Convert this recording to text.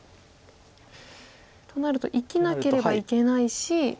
となると生きなければいけないし。